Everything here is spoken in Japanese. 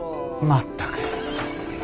全く。